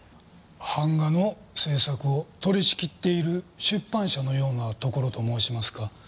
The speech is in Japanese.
版画の制作を取り仕切っている出版社のようなところと申しますか。